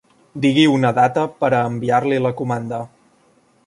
Digui una data per a enviar-li la comanda.